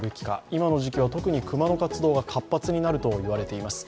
今の時季は特に熊の活動が活発になると言われています。